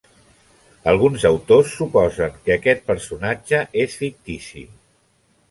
Alguns autors suposen que aquest personatge és fictici.